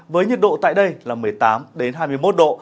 với nhiệt độ tại đây là một mươi tám hai mươi một độ